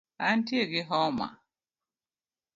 Antie gi homa